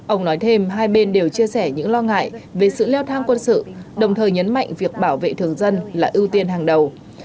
ông nói thêm hai bên đều chia sẻ những lo ngại về sự leo thang quân sự đồng thời nhấn mạnh việc bảo vệ thường dân là ưu tiên hàng đầu